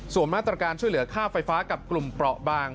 ส่วนมาตรการช่วยเหลือค่าไฟฟ้ากับกลุ่มเปราะบาง